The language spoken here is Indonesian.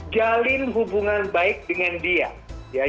jalin hubungan baik dengan dia